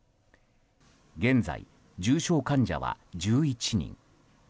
現在、重症患者は１１人。